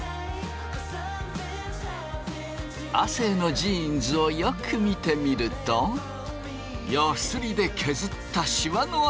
亜生のジーンズをよく見てみるとヤスリで削ったシワのあとが。